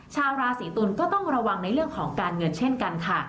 ชาวราศีตุลก็ต้องระวังในเรื่องของการเงินเช่นกันค่ะ